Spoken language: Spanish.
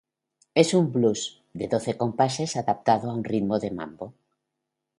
Es un "blues" de doce compases adaptado a un ritmo de mambo.